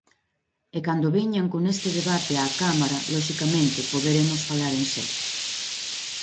E cando veñan con este debate á Cámara, loxicamente, poderemos falar en serio.